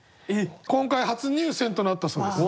今回初入選となったそうです。